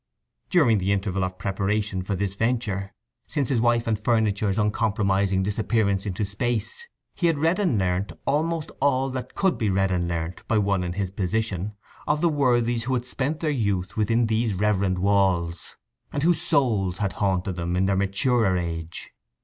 During the interval of preparation for this venture, since his wife and furniture's uncompromising disappearance into space, he had read and learnt almost all that could be read and learnt by one in his position, of the worthies who had spent their youth within these reverend walls, and whose souls had haunted them in their maturer age.